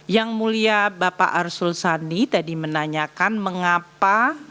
yang mulia bapak arsul sani tadi menanyakan mengapa